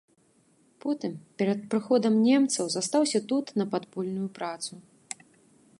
Потым перад прыходам немцаў застаўся тут на падпольную працу.